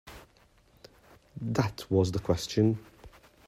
That was the question.